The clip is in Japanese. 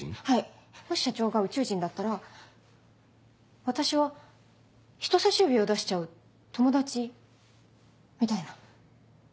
はいもし社長が宇宙人だったら私は人さし指を出しちゃう友達みたいな。